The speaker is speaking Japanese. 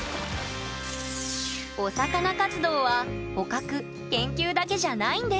お魚活動は捕獲・研究だけじゃないんです。